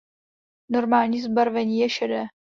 Normální zbarvení je šedé.